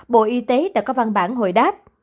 bộ y tế đã có văn bản hồi đáp